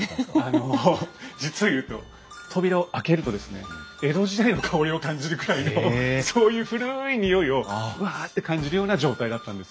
あの実を言うと扉を開けるとですね江戸時代の香りを感じるくらいのそういう古い匂いをうわって感じるような状態だったんですよ。